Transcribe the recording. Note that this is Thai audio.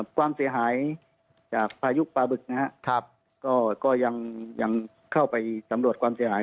ความเสียหายจากพายุปลาบึกนะครับก็ยังเข้าไปสำรวจความเสียหาย